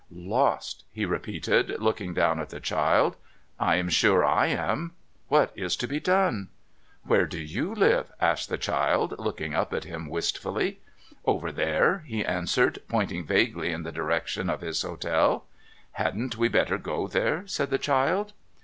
' Lost !' he repeated, looking down at the child. ' I am sure /am. What is to be done ?' '^^'here do you live?' asked the child, looking up at him wistfully. ' Over there,' he answered, pointing vaguely in the direction o. his hotel. ' Hadn't we better go there ?' said the child.